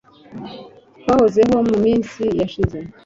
Twahozeho Mu minsi yashize